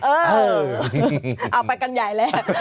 เออเอาไปกันใหญ่แล้ว